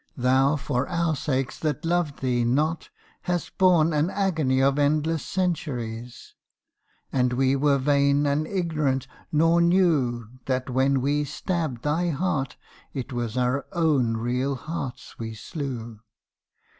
Thou for our sakes that loved thee not hast borne An agony of endless centuries, And we were vain and ignorant nor knew That when we stabbed thy heart it was our own real hearts we slew.